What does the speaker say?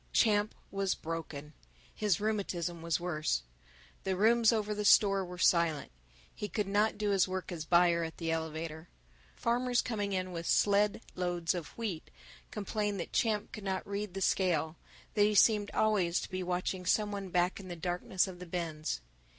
Champ was broken. His rheumatism was worse. The rooms over the store were silent. He could not do his work as buyer at the elevator. Farmers coming in with sled loads of wheat complained that Champ could not read the scale, that he seemed always to be watching some one back in the darkness of the bins.